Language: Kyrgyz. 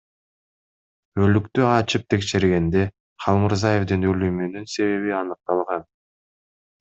Өлүктү ачып текшергенде Халмурзаевдин өлүмүнүн себеби аныкталган.